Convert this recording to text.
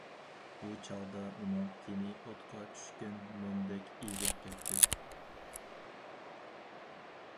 بۇ چاغدا ئۇنىڭ تېنى ئوتقا چۈشكەن مومدەك ئېرىپ كەتتى.